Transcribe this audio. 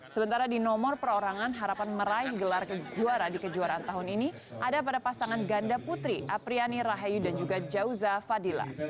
sementara di nomor perorangan harapan meraih gelar kejuaraan di kejuaraan tahun ini ada pada pasangan ganda putri apriani rahayu dan juga jauza fadila